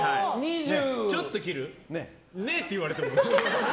ちょっと切る？ねえって言われても。